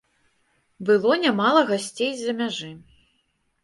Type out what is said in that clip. Было нямала гасцей з-за мяжы.